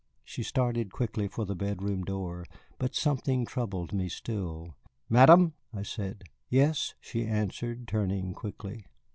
She started quickly for the bedroom door, but something troubled me still. "Madame " I said. "Yes," she answered, turning quickly.